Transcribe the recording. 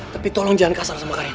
tapi tolong jangan kasar sama kalian